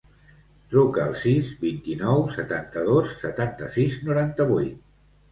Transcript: Truca al sis, vint-i-nou, setanta-dos, setanta-sis, noranta-vuit.